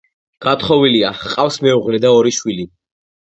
გათხოვილია, ჰყავს მეუღლე და ორი შვილი.